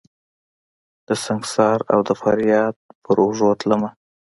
دسنګسار اودفریاد په اوږو تلمه